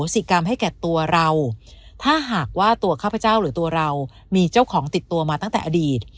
สิกรรมให้แก่ตัวเราถ้าหากว่าตัวข้าพเจ้าหรือตัวเรามีเจ้าของติดตัวมาตั้งแต่อดีต